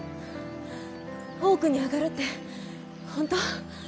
大奥に上がるって本当！？